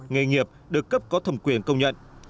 nghề nghiệp được cấp có thẩm quyền công nhận